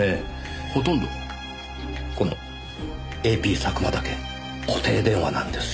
このＡＰ佐久間だけ固定電話なんですよ。